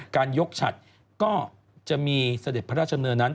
การยกฉัดก็จะมีเศรษฐ์พระราชน้ำเนินนั้น